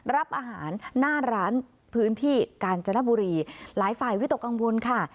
รับอาหารหน้าร้านพื้นที่กาญจนบุรีหลายฝ่ายวิตกกังวลค่ะ